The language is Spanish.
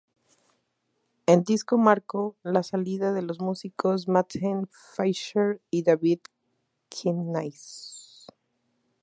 El disco marcó la salida de los músicos Matthew Fisher y David Knights.